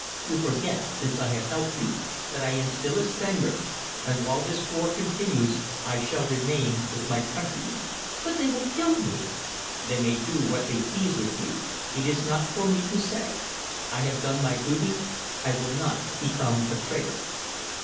You forget, since I have helped you, that I am still a Spaniard; and while this war continues I shall remain with my countrymen." "But they will kill you!" "They may do what they please with me. It is not for me to say. I have done my duty; I will not become a traitor."